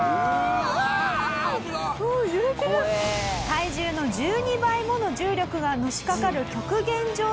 体重の１２倍もの重力がのしかかる極限状態の中